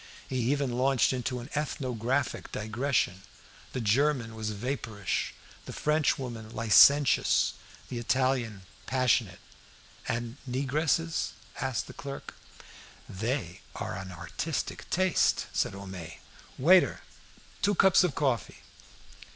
He even launched into an ethnographic digression: the German was vapourish, the French woman licentious, the Italian passionate. "And negresses?" asked the clerk. "They are an artistic taste!" said Homais. "Waiter! two cups of coffee!"